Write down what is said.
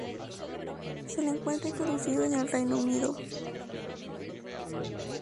Se le encuentra introducido en el Reino Unido.